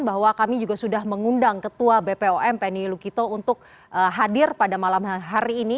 bahwa kami juga sudah mengundang ketua bpom penny lukito untuk hadir pada malam hari ini